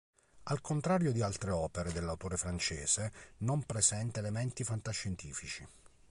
Al contrario di altre opere dell'autore francese non presenta elementi fantascientifici.